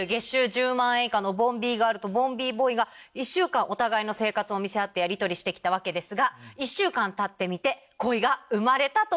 １０万円以下のボンビーガールとボンビーボーイが１週間お互いの生活を見せ合ってやりとりして来たわけですが１週間たってみて。